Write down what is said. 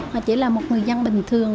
mà chỉ là một người dân bình thường